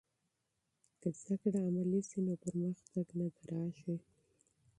که زده کړه عملي شي، پرمختګ نه درېږي.